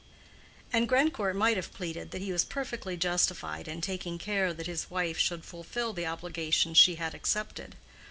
And Grandcourt might have pleaded that he was perfectly justified in taking care that his wife should fulfill the obligations she had accepted.